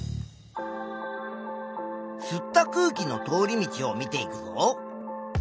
吸った空気の通り道を見ていくと。